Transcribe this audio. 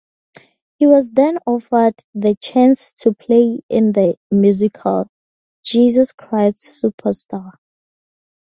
He was then offered the chance to play in the musical "Jesus Christ Superstar".